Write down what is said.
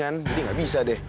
jadi tidak bisa